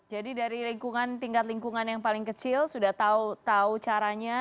jadi dari lingkungan tingkat lingkungan yang paling kecil sudah tahu caranya